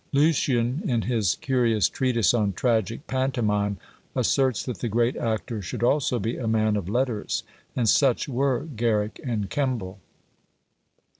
Lucian, in his curious treatise on Tragic Pantomime, asserts that the great actor should also be a man of letters, and such were Garrick and Kemble.